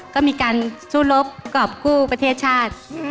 ก็มีการสู้รบกรอบกู้ประเทศชาติ